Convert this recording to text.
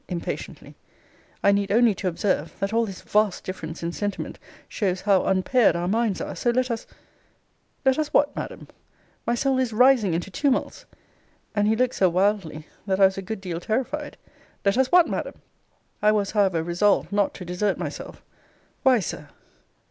[impatiently] I need only to observe, that all this vast difference in sentiment shows how unpaired our minds are so let us Let us what, Madam? My soul is rising into tumults! And he looked so wildly, that I was a good deal terrified Let us what, Madam? I was, however, resolved not to desert myself Why, Sir!